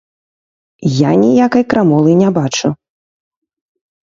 Я ніякай крамолы не бачу.